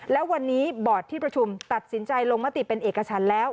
และวันนี้บอร์ดที่ประชุมตัดสินใจลงมติเป็นเอกชันแล้ว